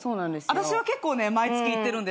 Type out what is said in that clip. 私は結構ね毎月行ってるんでね。